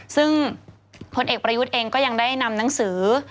ซึ่งพลเอกประยุทธ์เองก็ยังได้นำหนังสือ